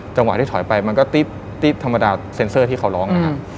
จังหวะที่ถอยไปมันก็ติ๊บธรรมดาเซ็นเซอร์ที่เขาร้องนะครับ